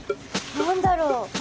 何だろう？